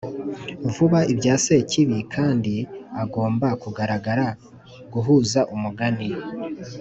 vuga ibya sekibi, kandi agomba kugaragara guhuza umugani